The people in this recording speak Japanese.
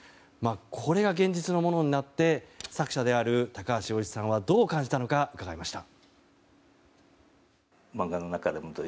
これが現実のものになって作者である高橋陽一さんはどう感じたのか伺いました。